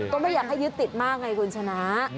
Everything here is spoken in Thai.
ก็ไม่อยากให้ยึดติดมากไงคุณชนะ